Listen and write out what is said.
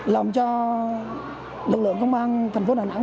làm cho lực lượng công an thành phố đà nẵng